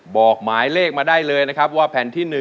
บอกหมายเลขมาได้เลยนะครับว่าแผ่นที่๑